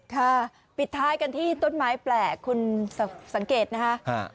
ค่ะปิดท้ายกันที่ต้นไม้แปลกคุณสังเกตนะคะ